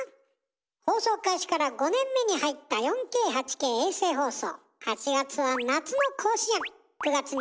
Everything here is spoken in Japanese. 放送開始から５年目に入った４Ｋ８Ｋ衛星放送。